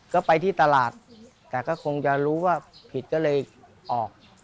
ก็ไปที่ตลาดแต่ก็คงจะรู้ว่าผิดก็เลยออก